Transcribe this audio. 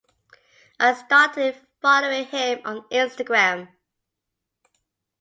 I started following him on Instagram.